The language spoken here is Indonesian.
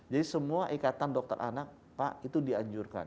jadi semua ikatan dokter anak pak itu dianjurkan